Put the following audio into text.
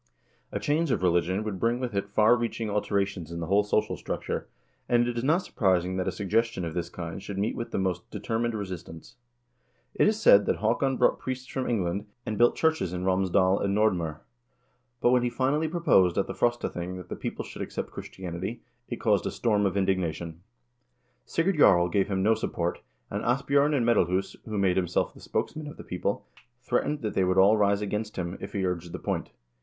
A change of religion would bring with it far reaching alterations in the whole social structure, and it is not surprising that a suggestion of this kind should meet with the most determined resistance. It is said that Haakon brought priests from England, and built churches 1 Heimskringla, Haakon den godes Saga, ch. 12. HAAKON THE GOOD 167 in Romsdal and Nordm0r, but when he finally proposed at the Frostathing that the people should accept Christianity, it caused a storm of indignation. Sigurd Jarl gave him no support, and Asbj0rn of Medalhus, who made himself the spokesman of the people, threat ened that they would all rise against him, if he urged the point.